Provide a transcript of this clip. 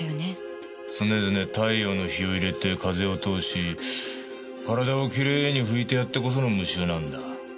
常々太陽の陽を入れて風を通し体をきれいに拭いてやってこその無臭なんだ。